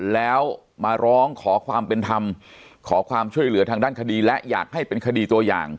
แล้วมาร้องขอความเป็นธรรมขอความช่วยเหลือทางด้านคดีและอยากให้เป็นคดีตัวอย่าง